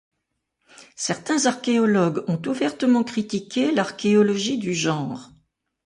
Certains archéologues ont ouvertement critiqué l'archéologie du genre.